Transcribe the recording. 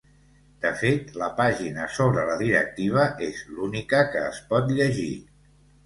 De fet, la pàgina sobre la directiva és l’única que es pot llegir.